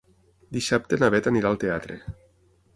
Dissabte na Bet anirà al teatre.